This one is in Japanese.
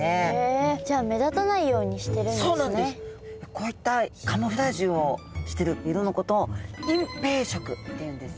こういったカムフラージュをしてる色のことを隠蔽色っていうんですね。